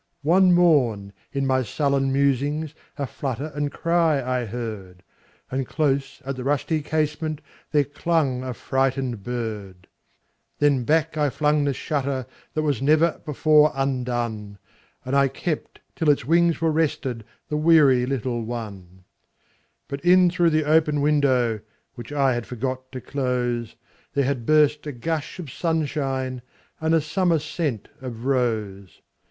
One morn, in my sullen musings,A flutter and cry I heard; And close at the rusty casementThere clung a frightened bird. Then back I flung the shutterThat was never before undone, And I kept till its wings were restedThe little weary one. But in through the open window, Which I had forgot to close, There had burst a gush of sunshineAnd a summer scent of rose.